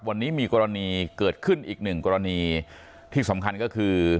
วันนี้มีกรณีเกิดขึ้นอีกหนึ่งกรณีที่สำคัญก็คือ